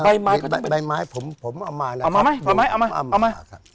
ใบไม้ใบไม้ผมผมเอามานะครับเอามาไหมเอามาเอามาเอามาครับ